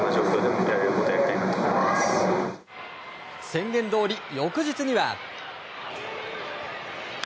宣言どおり、翌日には。